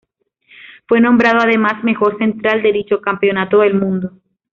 Fue nombrado, además, mejor central de dicho campeonato del mundo.